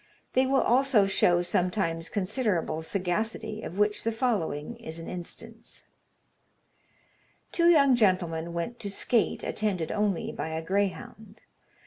They will also show sometimes considerable sagacity, of which the following is an instance: Two young gentlemen went to skate, attended only by a greyhound.